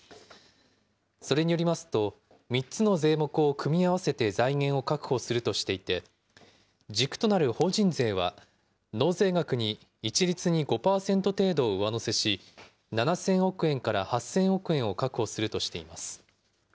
それによりますと、３つの税目を組み合わせて財源を確保するとしていて、軸となる法人税は、納税額に一律に５％程度を上乗せし、７０００億円から８０００億円を確保するとしています。